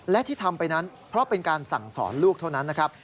และที่ทำไปนั้นเพราะเป็นการสั่งสอนลูกเท่านั้นนะครับ